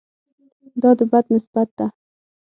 دا د بد نسبت ده.